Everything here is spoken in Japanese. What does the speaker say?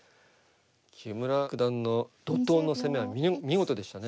木村九段の怒とうの攻めは見事でしたね。